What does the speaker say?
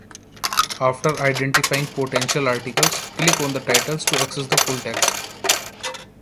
After identifying potential articles, click on the titles to access the full text.